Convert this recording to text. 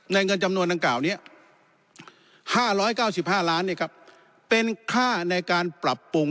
เงินจำนวนดังกล่าวนี้๕๙๕ล้านเป็นค่าในการปรับปรุง